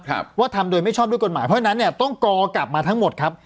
ว่าทำโดยไม่ชอบด้วยกฎหมายเพราะฉะนั้นเนี่ยต้องกอกลับมาทั้งหมดครับ